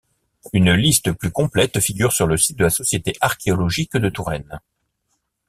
Une liste plus complète figure sur le site de la Société archéologique de Touraine.